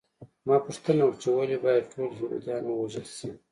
ما پوښتنه وکړه چې ولې باید ټول یهودان ووژل شي